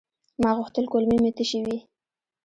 ما غوښتل کولمې مې تشي وي.